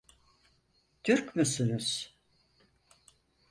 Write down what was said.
Türk müsünüz?